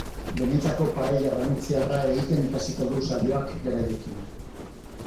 Benetako paella valentziarra egiten ikasiko du saioak beraiekin.